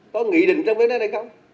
có nghị định trong vấn đề này không